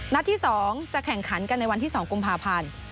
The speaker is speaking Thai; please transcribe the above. ที่๒จะแข่งขันกันในวันที่๒กุมภาพันธ์